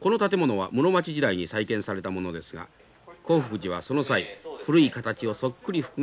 この建物は室町時代に再建されたものですが興福寺はその際古い形をそっくり復元する伝統があります。